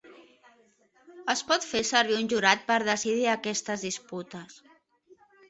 Es pot fer servir un jurat per decidir aquestes disputes.